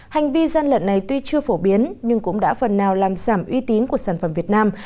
hành vi gian lận này tuy chưa phổ biến nhưng cũng đã phần nào làm giảm uy tín của sản phẩm việt nam